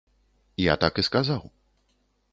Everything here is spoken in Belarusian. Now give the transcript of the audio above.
Я так і сказаў.